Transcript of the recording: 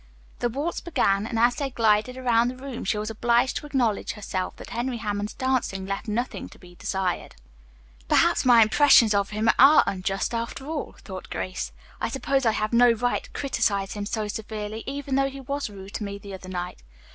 The waltz began, and as they glided around the room she was obliged to acknowledge herself that Henry Hammond's dancing left nothing to be desired. "Perhaps my impressions of him are unjust, after all," thought Grace. "I suppose I have no right to criticize him so severely, even though he was rude to me the other night.